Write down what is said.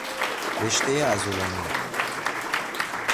رشتهی عضلانی